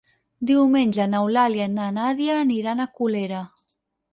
Diumenge n'Eulàlia i na Nàdia aniran a Colera.